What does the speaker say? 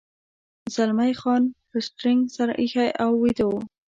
زلمی خان پر سټرینګ سر اېښی و او ویده و.